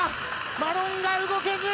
マロンガ、動けず。